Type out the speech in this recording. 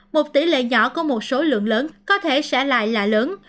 một tỷ lệ nhỏ của một số lượng lớn có thể sẽ lại là lớn